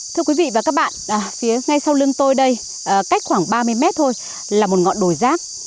thưa quý vị và các bạn phía ngay sau lưng tôi đây cách khoảng ba mươi mét thôi là một ngọn đồi rác